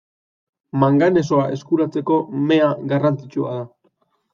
Manganesoa eskuratzeko mea garrantzitsua da.